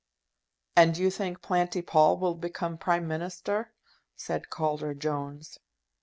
"And you think Planty Pall will become Prime Minister?" said Calder Jones.